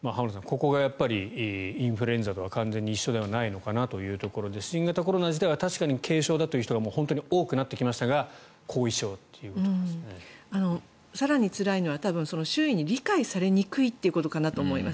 ここがインフルエンザとは完全に一緒ではないのかなというところで新型コロナ自体は確かに軽症だという人が本当に多くなってきましたが更につらいのは周囲に理解されにくいということかなと思います。